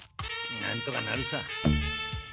なんとかなるさ。